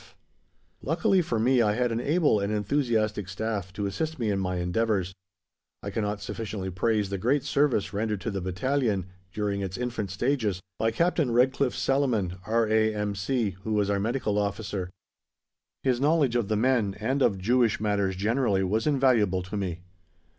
E.F. Luckily for me, I had an able and enthusiastic staff to assist me in my endeavours. I cannot sufficiently praise the great service rendered to the Battalion, during its infant stages, by Captain Redcliffe Salaman, R.A.M.C., who was our medical officer. His knowledge of the men and of Jewish matters generally was invaluable to me.